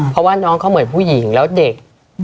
เพราะว่าน้องเขาเหมือนผู้หญิงแล้วเด็ก